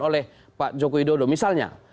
oleh pak joko widodo misalnya